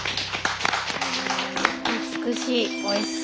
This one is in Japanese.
美しい。